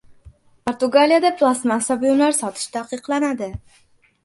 Portugaliyada plastmassa buyumlar sotish taqiqlandi